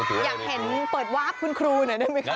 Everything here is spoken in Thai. อยากเห็นเปิดวาร์ฟคุณครูหน่อยได้ไหมคะ